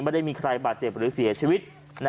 ไม่ได้มีใครบาดเจ็บหรือเสียชีวิต